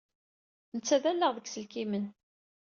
Netta d allaɣ deg yiselkimen.